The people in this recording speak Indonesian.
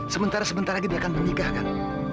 sementara sebentar lagi dia akan menikahkan